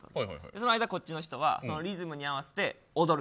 その間、こっちの人はリズムに合わせて踊る。